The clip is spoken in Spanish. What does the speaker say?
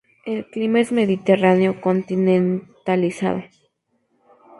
El clima es mediterráneo continentalizado.